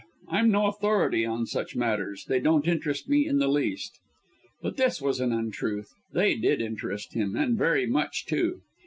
"I'm no authority on such matters they don't interest me in the least." But this was an untruth they did interest him and very much, too.